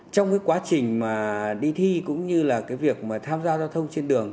trong quá trình đi thi cũng như việc tham gia giao thông trên đường